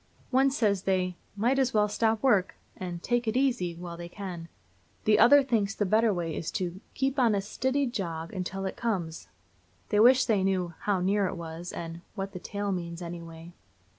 One says they "might as well stop work" and "take it easy" while they can. The other thinks the better way is to "keep on a stiddy jog until it comes." They wish they knew "how near it is," and "what the tail means anyway."